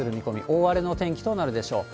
大荒れのお天気となるでしょう。